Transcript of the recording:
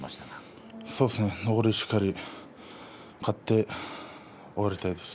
残りをしっかり勝って終わりたいです。